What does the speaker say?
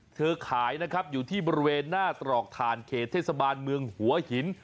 ขายนะครับอยู่ที่บริเวณหน้าตรอกถ่านเขตเทศบาลเมืองหัวหิน